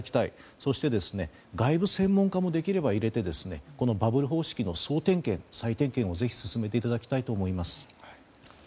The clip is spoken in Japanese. そして、外部専門家もできれば入れてバブル方式の総点検、再点検をぜひ進めていただきたいと思います。